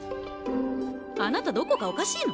あなたどこかおかしいの？